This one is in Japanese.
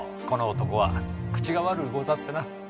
この男は口が悪うござってな。